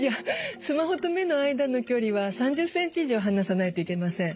スマホと目の間の距離は３０ｃｍ以上離さないといけません。